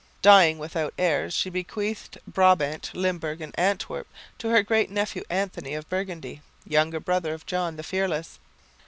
Dying without heirs, she bequeathed Brabant, Limburg and Antwerp to her great nephew, Anthony of Burgundy, younger brother of John the Fearless.